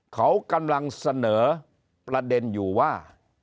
เขากำลังเสนอประเด็นอยู่ว่า